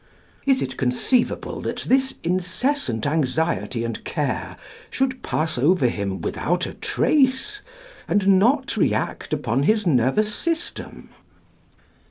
Is it conceivable that this incessant anxiety and care should pass over him without a trace, and not react upon his nervous system?